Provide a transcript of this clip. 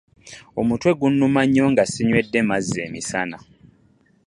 Omutwe gunuma nnyo nga sinywede mazzi emisana.